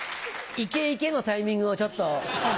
「いけいけ」のタイミングをちょっと。